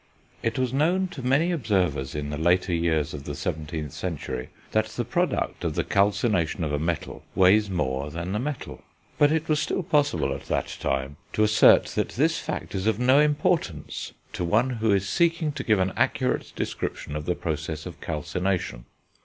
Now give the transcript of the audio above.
It was known to many observers in the later years of the 17th century that the product of the calcination of a metal weighs more than the metal; but it was still possible, at that time, to assert that this fact is of no importance to one who is seeking to give an accurate description of the process of calcination.